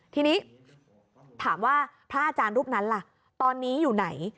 ทีนี้ถามว่าพระอาจารย์รูปนั้นล่ะตอนนี้อยู่ไหน